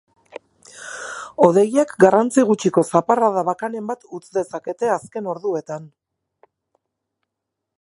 Hodeiek garrantzi gutxiko zaparrada bakanen bat utz dezakete azken orduetan.